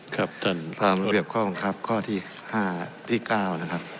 ครับท่านตามระเบียบข้อบังคับข้อที่๕ที่๙นะครับ